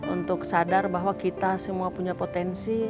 untuk sadar bahwa kita semua punya potensi